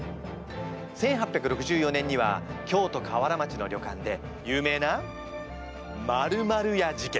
１８６４年には京都河原町の旅館で有名な○○屋事件。